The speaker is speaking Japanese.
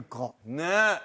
ねえ。